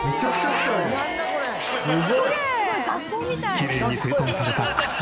きれいに整頓された靴。